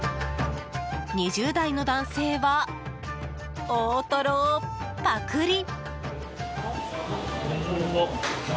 ２０代の男性は大トロをパクリ。